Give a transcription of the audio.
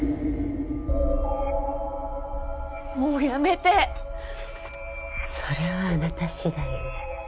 もうやめてそれはあなたしだいよ